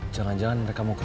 jangan jangan mereka mau ke